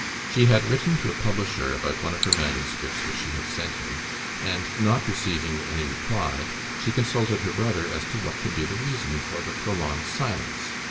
She had written to a publisher about one of her manuscripts, which she had sent him, and, not receiving any reply, she consulted her brother as to what could be the reason for the prolonged silence.